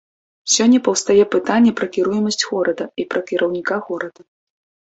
Сёння паўстае пытанне пра кіруемасць горада і пра кіраўніка горада.